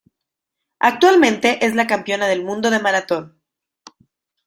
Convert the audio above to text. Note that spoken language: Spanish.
Actualmente es la campeona del mundo de maratón.